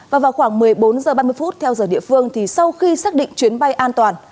và vào khoảng một mươi bốn h ba mươi theo giờ địa phương thì sau khi xác định chuyến bay an toàn